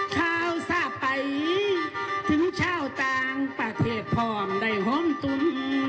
เช้าทราบไปถึงเช้าต่างประเทศพร้อมได้ห่วงตุ้น